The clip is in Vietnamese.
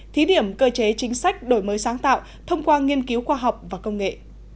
thí điểm cơ chế chính sách đổi mới sáng tạo thông qua nghiên cứu khoa học và công nghệ